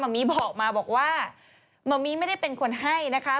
มิบอกมาบอกว่ามะมี่ไม่ได้เป็นคนให้นะคะ